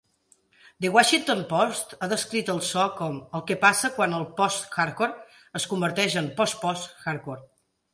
"The Washington Post" ha descrit el so com "el que passa quan el post-hardcore és converteix en post-post-hardcore".